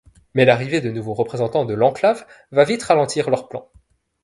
Mais l'arrivée de nouveaux représentants de l'Enclave va vite ralentir leurs plans.